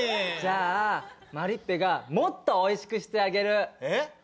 じゃあマリッペがもっとおいしくしてあげる。